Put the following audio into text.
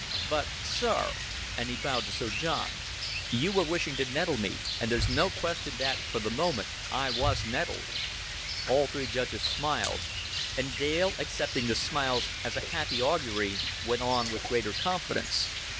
But, sir," and he bowed to Sir John, "you were wishing to nettle me, and there's no question that for the moment I was nettled." All three judges smiled; and Dale, accepting the smiles as a happy augury, went on with greater confidence.